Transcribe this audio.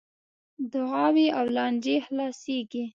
دعاوې او لانجې خلاصیږي .